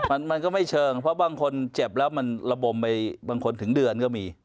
มันมันก็ไม่เชิงเพราะบางคนเจ็บแล้วมันระบมไปบางคนถึงเดือนก็มี